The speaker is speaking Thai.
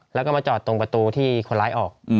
แล้วก็มาจอดตรงประตูที่คนร้ายออก